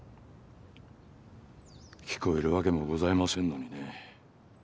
聞こえるわけもございませんのにね